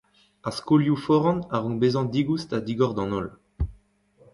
Ar skolioù foran a rank bezañ digoust ha digor d’an holl.